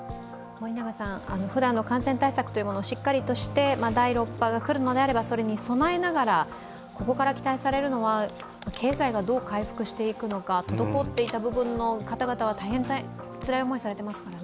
ふだんの感染対策をしっかりして、第６波が来るのであれば、それに備えながら、ここから期待されるのは、経済がどう回復していくか滞っていた部分の方々は大変つらい思いされてますものね。